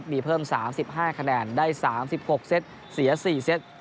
มีเพิ่ม๓๕คะแนนได้๓๖เซตเสีย๔เซต